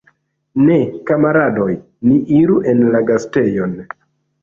Ne, kamaradoj, ni iru en la gastejon!